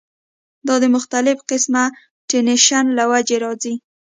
دا د مختلف قسمه ټېنشن له وجې راځی